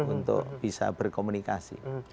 untuk bisa berkomunikasi